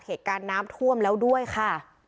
เหตุการณ์น้ำท่วมแล้วด้วยค่ะ